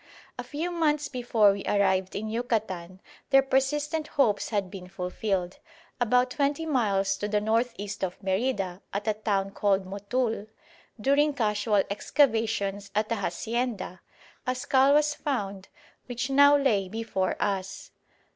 A few months before we arrived in Yucatan their persistent hopes had been fulfilled. About twenty miles to the north east of Merida, at a town called Motul, during casual excavations at a hacienda, a skull was found which now lay before us.